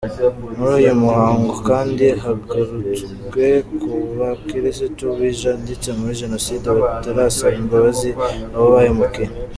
Muri uyu muhango kandi hagarutswe ku bakirisitu bijanditse muri jenoside batarasaba imbabazi abo bahemukiye.